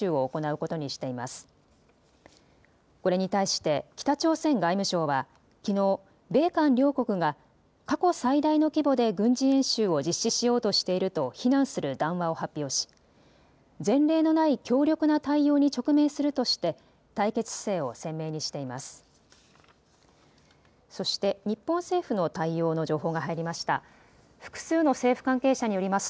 これに対して北朝鮮外務省はきのう米韓両国が過去最大の規模で軍事演習を実施しようとしていると非難する談話を発表し前例のない強力な対応に直面するとして対決姿勢を鮮明にしています。